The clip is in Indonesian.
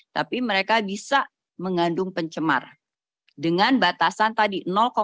tapi mereka bisa mengandung pencemar dengan batasan tadi satu